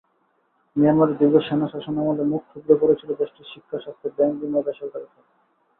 মিয়ানমারে দীর্ঘ সেনা শাসনামলে মুখ থুবড়ে পড়েছিল দেশটির শিক্ষা, স্বাস্থ্য, ব্যাংক-বিমা, বেসরকারি খাত।